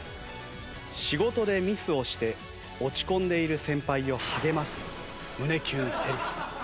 仕事でミスをして落ち込んでいる先輩を励ます胸キュンセリフ。